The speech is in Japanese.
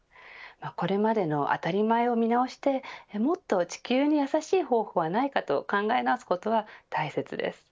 これまでの当たり前を見直してもっと地球に優しい方法はないかと考え直すことは大切です。